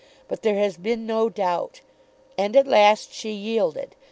But there has been no doubt. And at last she yielded.